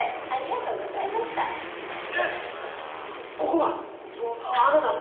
えっここがそのあなたの？